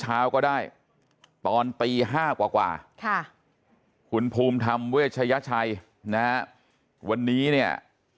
เช้าก็ได้ตอนปี๕กว่าคุณภูมิทำเวชยชัยนะวันนี้เนี่ย